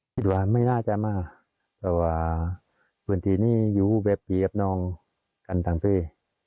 คิดว่าไม่น่าจะมาเพราะว่าบางทีนี่อยู่เว็บพี่กับน้องกันทางพี่